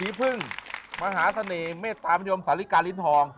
สีพึ่งมหาเสน่ห์เมษตาประนยมสาฬิกาลิ้นทอง